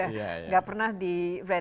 sudah pernah di read